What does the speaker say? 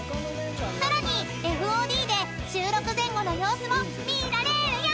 ［さらにＦＯＤで収録前後の様子も見られるよ！］